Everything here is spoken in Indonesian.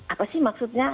apa sih maksudnya